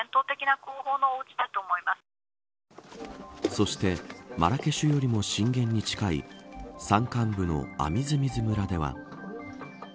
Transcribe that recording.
そしてマラケシュよりも震源に近い山間部のアミズミズ村では。